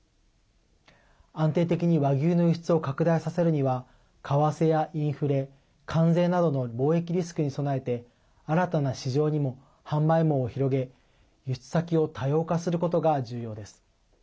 安定的に和牛の輸出を拡大させるには為替やインフレ、関税などの貿易リスクに備えて新たな市場にも販売網を広げ輸出先を多様化することが重要です。